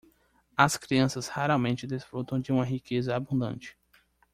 As crianças raramente desfrutam de uma riqueza abundante.